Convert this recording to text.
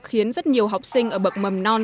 khiến rất nhiều học sinh ở bậc mầm non